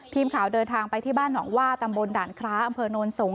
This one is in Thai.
ทีมข่าวเดินทางไปที่บ้านหนองว่าตำบลด่านคล้าอำเภอโนนสูง